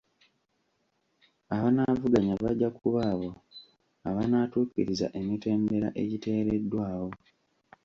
Abanaavuganya bajja kuba abo abanaatuukiriza emitendera agiteereddwawo.